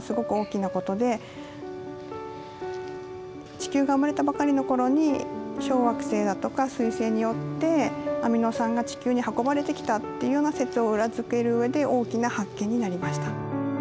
地球が生まれたばかりの頃に小惑星だとか彗星によってアミノ酸が地球に運ばれてきたというような説を裏付ける上で大きな発見になりました。